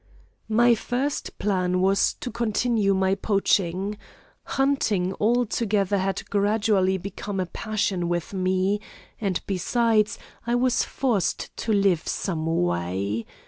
"My first plan was to continue my poaching. Hunting altogether had gradually become a passion with me, and besides I was forced to live some way.